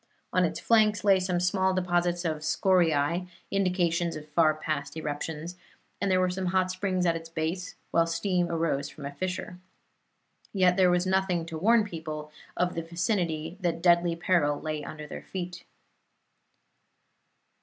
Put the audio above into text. On its flanks lay some small deposits of scoriae, indications of far past eruptions, and there were some hot springs at its base, while steam arose from a fissure. Yet there was nothing to warn the people of the vicinity that deadly peril lay under their feet.